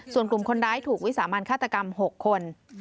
ส่วนกลุ่มคนร้ายถูกวิสามันฆาตกรรม๖คน